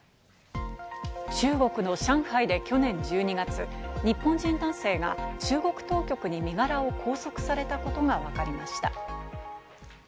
中国の上海で去年１２月、日本人男性が中国当局に身柄を拘束されたことがわかりました。